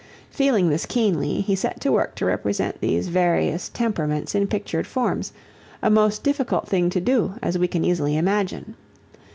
Feeling this keenly, he set to work to represent these various temperaments in pictured forms, a most difficult thing to do as we can easily imagine.